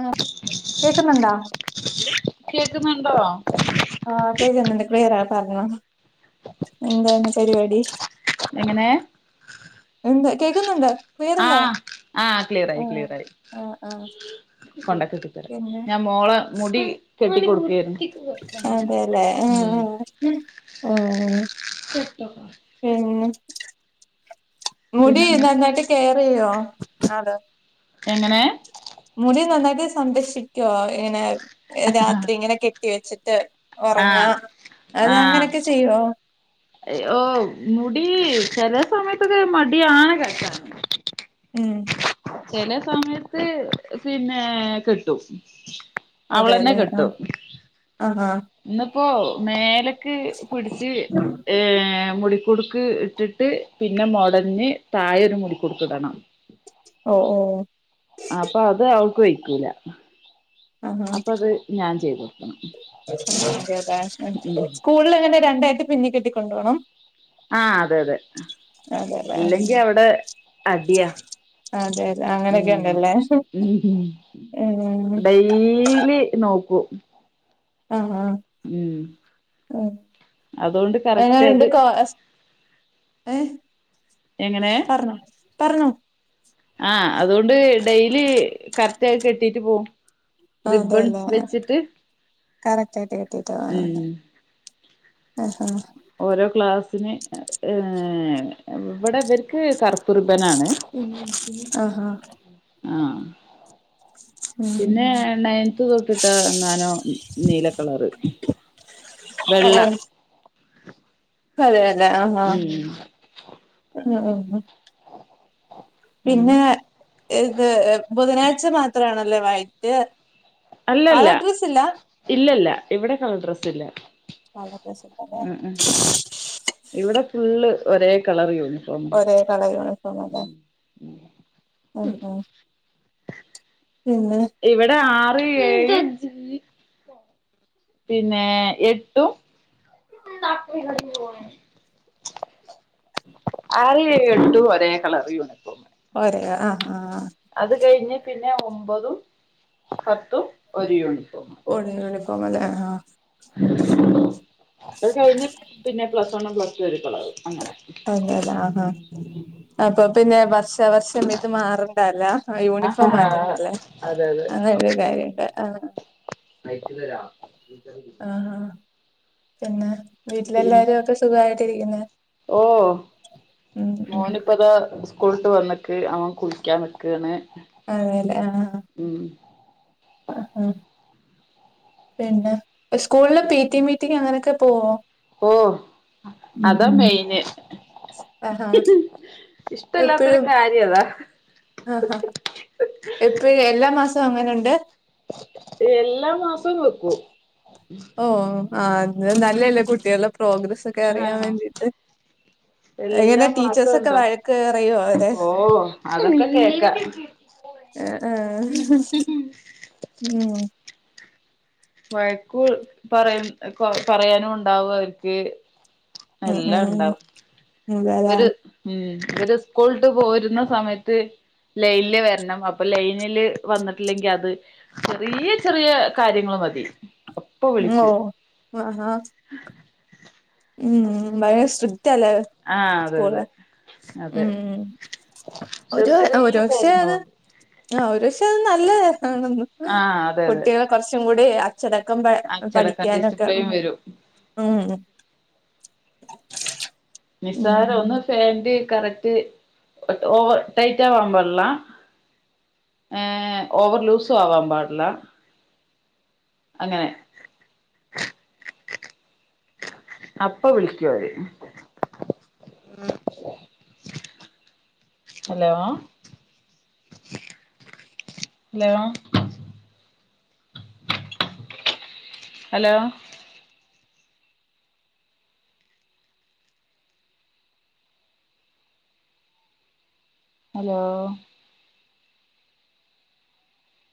ആ കേക്കുന്നുണ്ടോ? കേൾക്കുന്നുണ്ടോ? ആ കേക്ക്ന്ന്ണ്ട് ക്ലിയറാപറഞ്ഞൊ എന്താണ്പരിപാടി? എങ്ങനെ എന്ത്കേക്കുന്നുണ്ട് ക്ലിയറല്ലേ ആഹ് ആഹ് ക്ലിയറായി ആ ക്ലിയറായി ആ ആ [unintelligible] ഞാൻ മോള് മുടി കെട്ടിടുക്കെയിരുന്നു അതേല്ലേ ആ ആ [unintelligible] പിന്നെന്താ മുടിനന്നായിട്ട് കെയറായ്യോ അതാ എങ്ങനെ? മുടിനന്നായിട്ട് സംരക്ഷിക്കുവോ ങ്ങനെ രാത്രിഇങ്ങനെകെട്ടിവെച്ചിട്ട് ഉറങ്ങ ആഹ് ആഹ് അതെഅങ്ങനൊക്കെ ചെയ്യുവോ? ഓ മുടി ചിലെസമയത്തൊക്കെ മടിയാണ് കെട്ടാൻ ഉം ചിലെ സമയത്ത് പിന്നെ കെട്ടും അവളെന്നെ അതെല്ലേ കെട്ടും ആ ആ ഇന്നിപ്പോ മേലക്ക് പിടിച്ച് ഏഹ മുടിക്കുടുക്ക് ഇട്ടിട്ട് പിന്നെ മൊടഞ്ഞ് തായൊരു മുടിക്കുട്ത്ത്ടണം ഓ ഓ അപ്പൊ അത്അവൾക്ക് വെഴിക്കൂല അപ്പൊത് ഞാൻചെയ്തൊടുക്കണം അതതെ സ്കൂളിൽങ്ങനെ രണ്ടായിട്ട് പിന്നികെട്ടിക്കൊണ്ടോണം ആ അതെഅതെ അതെല്ലേ ഇല്ലെങ്കിഅവിടെ അടിയാ അതെ അതെ അങ്ങനെയൊക്കെ ഉം ഉണ്ടല്ലേ ഉം ഉ ഉം ഡെയ്ലി നോക്കൂ ആ അതുകൊണ്ട് കറക്റ്റ് എങ്ങനുണ്ട് അത് [unintelligible] ഏഹ എങ്ങനെ പറഞ്ഞോ ആഹ് അതോണ്ട് ഡെയ്ലി കറക്റ്റായി കിട്ടീട്ട് പോവും റിബ്ബൺ വെച്ചിട്ട് അതെ അതെ [unintelligible] ഉം ഓരോ ക്ലാസിന് ഈഹ് ഇവിടെ ഇവർക്ക് കറ കുറിമ്പനാണ് ആഹ് ആഹ് ആഹ് ഉം പിന്നെ ണയൻത്ത് തൊട്ടിട്ടങ്ങാനോ നീല കളർ [unintelligible] [inaudible] അതെ ഉം ആ ആഹ് അങ്ങനെ പിന്നെ ഇത് ബുധനാഴ്ച മാത്രമാണല്ലേ വൈറ്റ് അല്ലല്ല കളർ ഡ്രസ്സ് ഇല്ല ഇല്ലല്ല ഇവിടെ കളർ ഡ്രെസ്സില്ല [unintelligible] ഇവിടെ ഫുള്ള് ഒരേ കളർ യുണി ഒരേ കളർ യൂണിഫോമാല്ലേ ഉം ഉം പിന്നെ ഇവിടെ ആറ് ഏഴ് പിന്നെ എട്ടും ആറ് ഏഴ് എട്ടും ഒരേ കളർ യൂണിഫോമ് ആഹ് ആഹ് കഴിഞ്ഞ് പിന്നെ ഒമ്പതും പത്തും ഒരു യൂണിഫോമ് [unintelligible] ആഹ് അത് കഴിഞ്ഞ പിന്നെ പ്ലസ് വണ്ണും പ്ലസ്റ്റും ഒരു അതെ ആഹാ ആ അപ്പൊ പിന്നെ വർഷ ദെവസം ഇത് മാറണ്ടേലാ ആഹ് യൂണിഫോം മാറ്റണ്ടലാ അതെ അതെ അങ്ങല്ല കാര്യുണ്ട് ആ കയ്ച്ചു തരാ ആഹ് ആ പിന്നെ വീട്ടിലെല്ലാരും ഒക്കെ സുഖായിട്ടിരിക്കുന്നെ ഓഹ് ഉം ഉം മോന് ഇപ്പൊതാ സ് കൂൾട്ടുവന്നിട്ട് അവൻ കുളിക്കാൻ നിക്കാണ് അതേലെ ആഹ് ഉം ആഹ് പിന്നെ സ്കൂളില് പി ടി മീറ്റിംങ് അങ്ങനെയൊക്കെ പോവോ ഓ ഉം അതാ ഉം മെയിന് ആഹ് ആ ഇഷ്ടല്ലാത്തൊരു എപ്പഴും കാര്യം അതാ ആ ആ എപ്പഴും എല്ലാ മാസും അങ്ങനെണ്ട് എല്ലാ മാസവും വെക്കും ഓ ആ അത് നല്ലല്ലേ കുട്ടികളെ പ്രോഗ്രസ്സ് ഒക്കെ അറിയാൻ ആഹ് വേണ്ടീട്ട് എല്ലാ എങ്ങനെ മാസവും ടീച്ചേർസ് ഒക്കെ ഉണ്ടോ വഴക്കറിയോ അവരെ ഓ അതൊക്കെ കേക്കാ ആ ആഹ് ഉം വയക്കൂ പറയും കൊ പറയാനും ഉണ്ടാവും അവർക്ക് ഉം എല്ലാം ഉം ഇണ്ടാവും അതെല്ലേ ഒരു ഉം ഇവര് സ്കൂള്ട്ട് പോരുന്ന സമയത്ത് ലൈനില് വരണം അപ്പൊ ലൈനില് വന്നിട്ടില്ലെങ്കിൽ അത് ചെറിയ ചെറിയ കാര്യങ്ങള് മതി [unintelligible] ഓ വിളിക്കും ആഹ ഉം ഭയര സ്ട്രിക്റ്റ് ആലേ ആഹ് അതെ സ്കൂള് അതെ അതെ ഉം ചെറിയ ഒരു ചെറിയ കാര്യങ്ങള് ഒരുപക്ഷേത് മതി ആ ഒരുപക്ഷെ ല്ലേ ആഹ് അതെ അതെ കുട്ടികളെ കുറച്ചും കൂടി അച്ചടക്കം അച്ചടക്കം പഠിക്കാനൊക്കെ ഡിസിപ്ലിൻ ഉം വരും ഉം ഉം നിസ്സാരം ഒന്ന് പാൻ്റ് കറക്റ്റ് ഓവർ ടൈറ്റ് ആവാൻ പാടില്ലാ ഏഹ് ഓവർ ലൂസും ആവാൻ പാടില്ല അങ്ങനെ അപ്പ വിളിക്കും അവര് ഹലോ ഹലോ ഹലോ ഹലോ